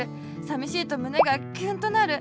さみしいとむねがキュンとなる。